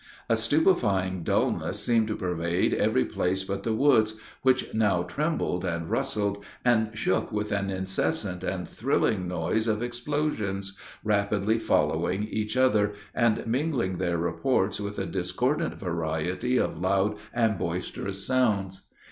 A stupefying dullness seemed to pervade every place but the woods, which now trembled, and rustled, and shook with an incessant and thrilling noise of explosions, rapidly following each other, and mingling their reports with a discordant variety of loud and boisterous sounds.